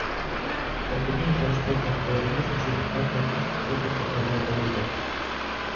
The community aspect and the relationships are the most important thing about the label.